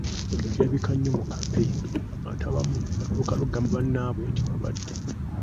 Kino kirabika nnyo mu kkampeyini abantu abamu ne batuuka n’okugamba bannaabwe nti balwadde.